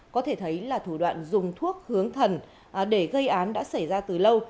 có thể thấy là thủ đoạn dùng thuốc hướng thần để gây án đã xảy ra từ lâu